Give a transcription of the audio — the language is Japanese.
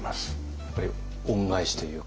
やっぱり恩返しというか。